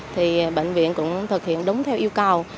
thì bệnh viện cũng thực hiện đúng theo yêu cầu